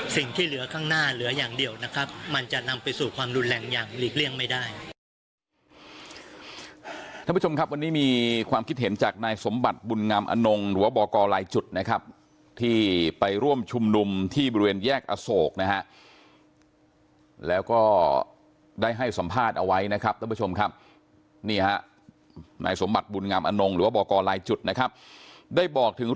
ที่เหลือข้างหน้าเหลืออย่างเดียวนะครับมันจะนำไปสู่ความรุนแรงอย่างหลีกเลี่ยงไม่ได้